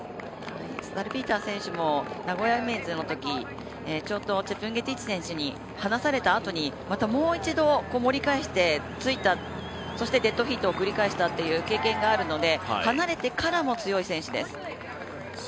サルピーター選手も名古屋ウィメンズのときにチェプンゲティッチ選手に離されたあとに、もう一度、盛り返してついた、そしてデッドヒートを繰り返したっていう経験があるので離れてからも強い選手です。